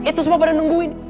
itu semua pada nungguin